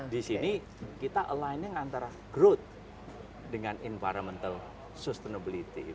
di sini kita aligning antara growth dengan environmental sustainability